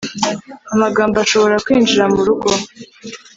amagambo ashobora kwinjira mu rugo